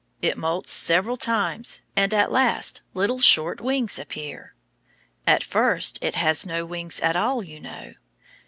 It moults several times, and at last little short wings appear. At first it has no wings at all, you know.